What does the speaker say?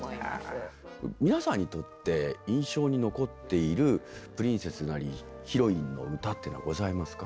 皆さんにとって印象に残っているプリンセスなりヒロインの歌ってのはございますか？